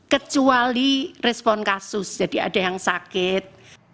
kecuali respon kasus jadi ada yang sakit